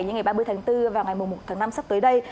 những ngày ba mươi tháng bốn và ngày một tháng năm sắp tới đây